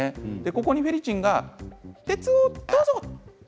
ここにフェリチンが、鉄をどうぞ。